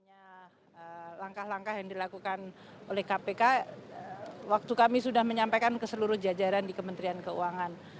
ada langkah langkah yang dilakukan oleh kpk waktu kami sudah menyampaikan ke seluruh jajaran di kementerian keuangan